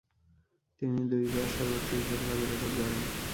তিনি দুইবার সর্বোচ্চ উইকেট লাভের রেকর্ড গড়েন।